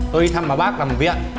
tôi đi thăm bà bác làm việc